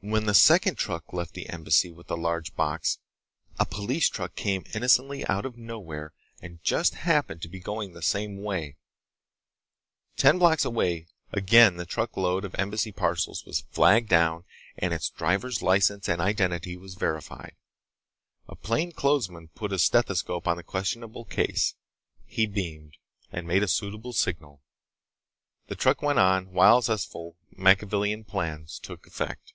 When the second truck left the Embassy with the large box, a police truck came innocently out of nowhere and just happened to be going the same way. Ten blocks away, again the truck load of Embassy parcels was flagged down and its driver's license and identity was verified. A plainclothesman put a stethoscope on the questionable case. He beamed, and made a suitable signal. The truck went on, while zestful, Machiavelian plans took effect.